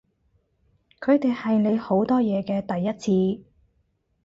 佢哋係你好多嘢嘅第一次